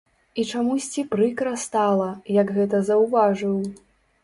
І чамусьці прыкра стала, як гэта заўважыў.